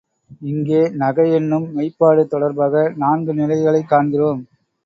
இங்கே நகை என்னும் மெய்ப்பாடு தொடர்பாக நான்கு நிலைகளைக் காண்கிறோம்.